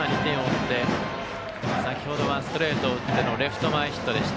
先ほどはストレートを打ってのレフト前ヒットでした。